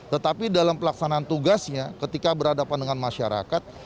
tetapi dalam pelaksanaan tugasnya ketika berhadapan dengan masyarakat